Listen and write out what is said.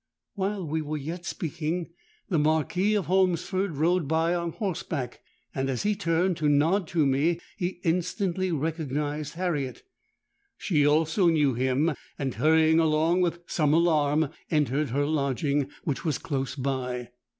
While we were yet speaking, the Marquis of Holmesford rode by on horseback; and, as he turned to nod to me, he instantly recognised Harriet. She also knew him, and hurrying along with some alarm, entered her lodging, which was close by.